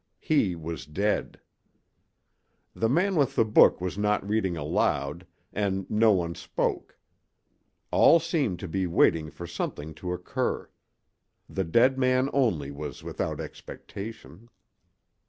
He was dead. The man with the book was not reading aloud, and no one spoke; all seemed to be waiting for something to occur; the dead man only was without expectation.